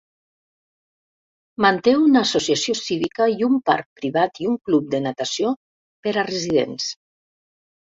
Manté una associació cívica i un parc privat i un club de natació per a residents.